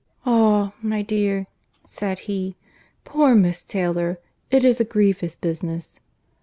"Ah, my dear," said he, "poor Miss Taylor—It is a grievous business."